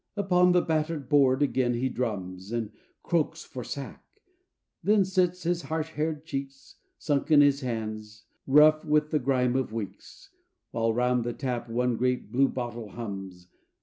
Upon the battered board again he drums And croaks for sack: then sits, his harsh haired cheeks Sunk in his hands, rough with the grime of weeks, While round the tap one great bluebottle hums.